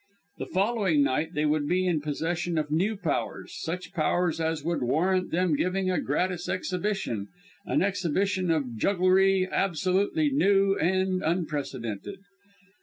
The following night they would be in possession of new powers, such powers as would warrant them giving a gratis exhibition an exhibition of jugglery absolutely new and unprecedented.